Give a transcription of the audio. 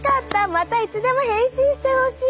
またいつでも変身してほしい！